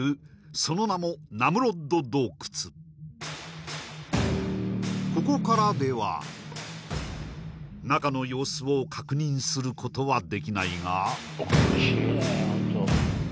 その名もここからでは中の様子を確認することはできないが？